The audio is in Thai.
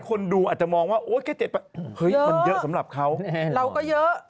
คนดูอาจจะมองว่าโอ๊ยแค่๗เฮ้ยมันเยอะสำหรับเขาเราก็เยอะ